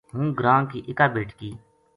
ہوں گراں کی اِکا بیٹکی